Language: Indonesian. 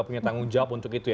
punya tanggung jawab untuk itu ya